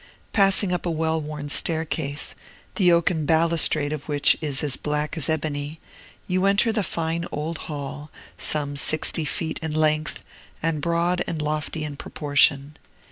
Passing up a well worn staircase, the oaken balustrade of which is as black as ebony, you enter the fine old hall, some sixty feet in length, and broad and lofty in proportion.